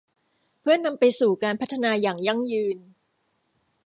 เพื่อนำไปสู่การพัฒนาอย่างยั่งยืน